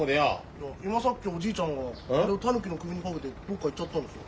いや今さっきおじいちゃんがこれをタヌキの首にかけてどっか行っちゃったんですよ。